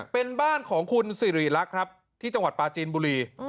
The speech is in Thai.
เป็นบ้านของคุณสิริรักษ์ครับที่จังหวัดปลาจีนบุรี